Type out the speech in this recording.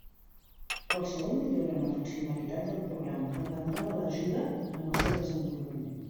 Qualsevol millora en la funcionalitat del programa dependrà de l'ajuda en el seu desenvolupament.